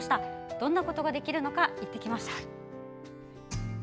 どんなことができるのか行ってきました。